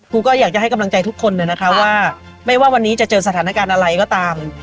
ก็อยากจะให้กำลังใจทุกคนนะคะว่าไม่ว่าวันนี้จะเจอสถานการณ์อะไรก็ตาม